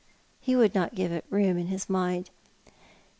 He would not give it room in his mind.